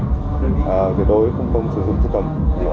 tuyệt đối không sử dụng thức tẩm